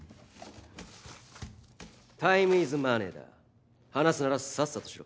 タイムイズマネーだ話すならさっさとしろ。